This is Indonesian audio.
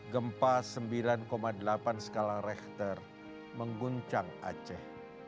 gempa sembilan delapan skala rechter mengguncang aceh